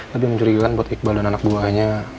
lebih mencurigakan buat iqbal dan anak buahnya